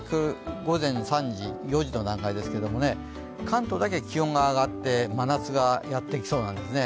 午前３時、４時の段階ですけども、関東だけは気温が上がって真夏がやってきそうなんですね。